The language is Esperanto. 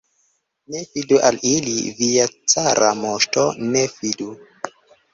Ne fidu al ili, via cara moŝto, ne fidu!